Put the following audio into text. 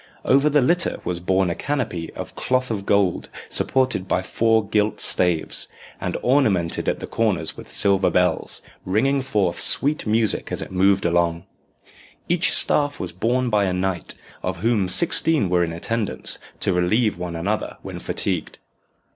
Over the litter was borne a canopy of cloth of gold supported by four gilt staves, and ornamented at the corners with silver bells, ringing forth sweet music as it moved along. Each staff was borne by a knight, of whom sixteen were in attendance to relieve one another when fatigued.